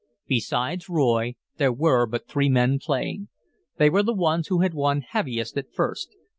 Besides Roy, there were but three men playing. They were the ones who had won heaviest at first.